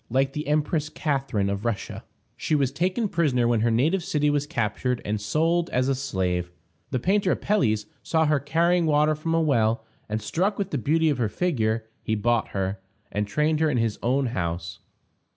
Like the Empress Catharine of Russia, she was taken prisoner when her native city was captured, and sold as a slave. The painter Apelles saw her carrying water from a well, and, struck with the beauty of her figure, he bought her, and trained her in his own house.